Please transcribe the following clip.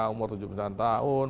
umur tujuh puluh sembilan tahun